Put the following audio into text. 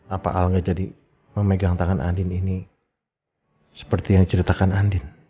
apa alga jadi memegang tangan andin ini seperti yang diceritakan andin